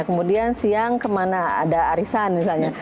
kemudian siang kemana ada arisan misalnya